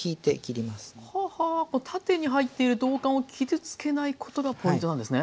縦に入っている道管を傷つけないことがポイントなんですね？